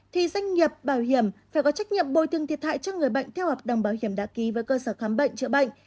thì doanh nghiệp bảo hiểm phải có trách nhiệm bồi thương thiệt hại cho người bệnh theo hợp đồng bảo hiểm đã ký với cơ sở khám bệnh chữa bệnh